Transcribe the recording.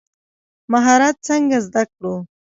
مهارت څنګه زده کړو؟